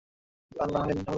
আমার বাবা পারেনি।